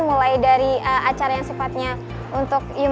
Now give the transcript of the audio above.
mulai dari acara yang sepatnya untuk human capitalism